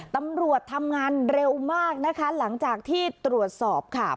ตำรวจทำงานเร็วมากนะคะหลังจากที่ตรวจสอบค่ะ